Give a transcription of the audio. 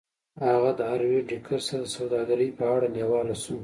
هغه د هارډویر هیکر سره د سوداګرۍ په اړه لیواله شو